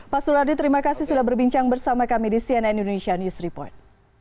pak sulardi terima kasih sudah berbincang bersama kami di cnn indonesia news report